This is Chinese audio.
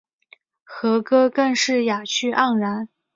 和歌更是雅趣盎然。